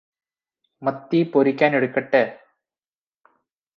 മത്തി പൊരിക്കാനെടുക്കട്ടേ?